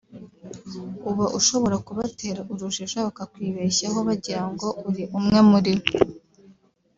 uba ushobora kubatera urujijo bakakwibeshyaho bagira ngo uri umwe muri bo